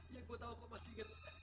ya gue tahu kok masih ingatnya